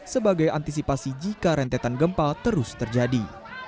sebagai antisipasi jika rentetan gempa terus terjadi